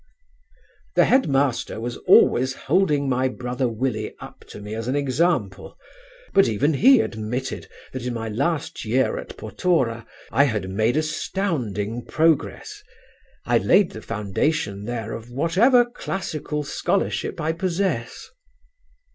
"The head master was always holding my brother Willie up to me as an example; but even he admitted that in my last year at Portora I had made astounding progress. I laid the foundation there of whatever classical scholarship I possess."